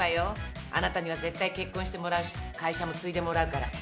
あなたには絶対結婚してもらうし会社も継いでもらうから。